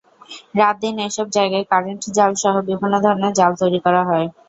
রাত-দিন এসব জায়গায় কারেন্ট জালসহ বিভিন্ন ধরনের জাল তৈরি করা হয়।